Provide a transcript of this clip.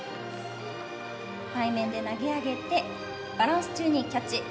背面で投げ上げてバランス中にキャッチ。